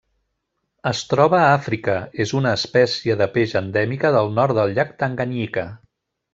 Es troba a Àfrica: és una espècie de peix endèmica del nord del llac Tanganyika.